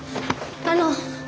あの！